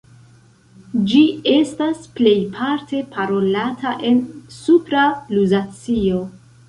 Ĝi estas plejparte parolata en Supra Luzacio.